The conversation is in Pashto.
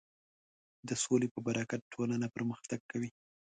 د سولې په برکت ټولنه پرمختګ کوي.